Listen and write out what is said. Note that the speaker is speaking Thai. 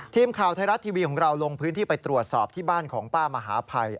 ทีมข่าวไทยรัฐทีวีของเราลงพื้นที่ไปตรวจสอบที่บ้านของป้ามหาภัย